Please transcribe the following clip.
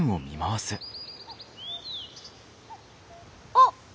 あっ！